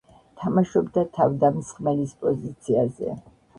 თამაშობდა თავდამსხმელის პოზიციაზე.